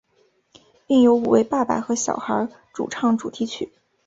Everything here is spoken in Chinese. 并由五位爸爸和小孩主唱主题曲。